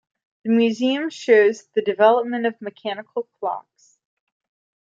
The museum shows the development of mechanical clocks.